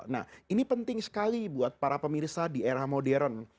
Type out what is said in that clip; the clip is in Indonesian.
nah ini penting sekali buat para pemirsa di era modern